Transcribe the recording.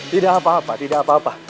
tidak apa apa tidak apa apa